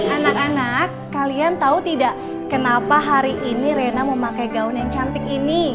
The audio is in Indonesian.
anak anak kalian tahu tidak kenapa hari ini rena memakai gaun yang cantik ini